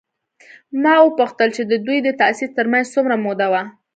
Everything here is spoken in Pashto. ما وپوښتل چې د دوی د تاسیس تر منځ څومره موده وه؟